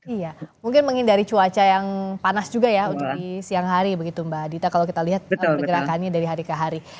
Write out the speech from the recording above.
iya mungkin menghindari cuaca yang panas juga ya untuk di siang hari begitu mbak adita kalau kita lihat pergerakannya dari hari ke hari